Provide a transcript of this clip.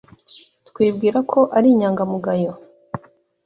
Twibwira ko ari inyangamugayo